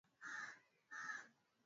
Ameimba nyimbo nyingi sana